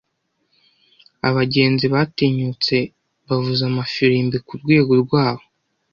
abagenzi batinyutse bavuza amafirimbi kurwego rwabo